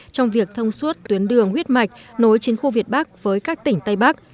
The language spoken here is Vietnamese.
trong việc thông suốt tuyến đường huyết mạch nối chiến khu việt bắc với các tỉnh tây bắc